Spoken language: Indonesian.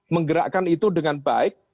menggerakkan itu dengan baik